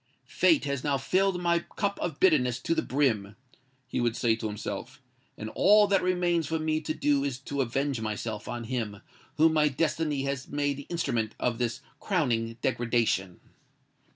"Fate has now filled my cup of bitterness to the brim," he would say to himself; "and all that remains for me to do is to avenge myself on him whom my destiny has made the instrument of this crowning degradation."